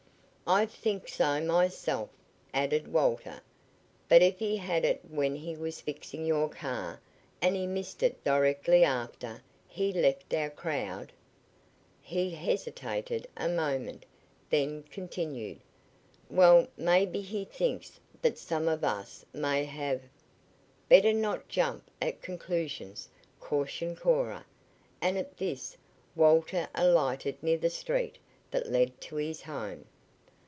"I think so myself," added Walter. "But if he had it when he was fixing your car, and he missed it directly after he left our crowd " He hesitated a moment, then continued: "Well, maybe he thinks that some of us may have " "Better not jump at conclusions," cautioned Cora, and at this Walter alighted near the street that led to his home.